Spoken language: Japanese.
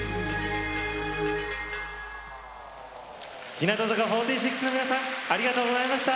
日向坂４６の皆さんありがとうございました。